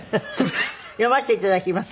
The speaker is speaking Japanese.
読ませて頂きます。